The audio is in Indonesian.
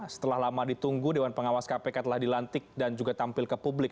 setelah lama ditunggu dewan pengawas kpk telah dilantik dan juga tampil ke publik